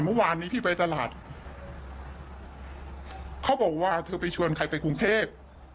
เมื่อวานนี้พี่ไปตลาดเขาบอกว่าเธอไปชวนใครไปกรุงเทพ